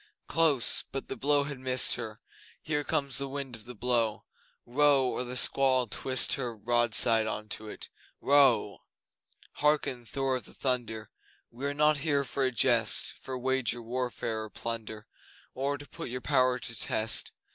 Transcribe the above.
Close! But the blow has missed her, Here comes the wind of the blow! Row or the squall'll twist her Broadside on to it! Row! Hearken, Thor of the Thunder! We are not here for a jest For wager, warfare, or plunder, Or to put your power to test.